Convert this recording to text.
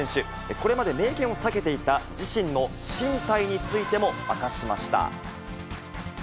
これまで明言を避けていた自身の進退についても明かしました。